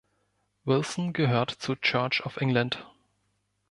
Wilson gehört zur Church of England.